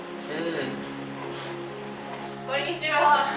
こんにちは。